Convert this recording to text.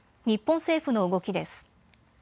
日本政府の動きです。